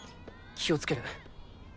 気を付ける。